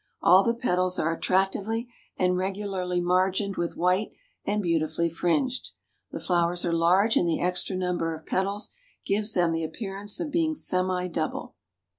All the petals are attractively and regularly margined with white and beautifully fringed. The flowers are large and the extra number of petals gives them the appearance of being semi double.